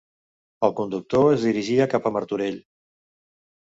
El conductor es dirigia cap a Martorell.